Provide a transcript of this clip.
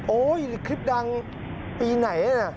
โอ้ยคลิปดังปีไหนน่ะ